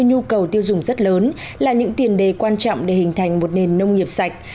nhu cầu tiêu dùng rất lớn là những tiền đề quan trọng để hình thành một nền nông nghiệp sạch